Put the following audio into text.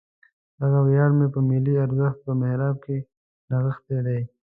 دغه ویاړ مې په ملي ارزښت په محراب کې نغښتی دی.